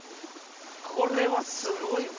これはすごいぞ！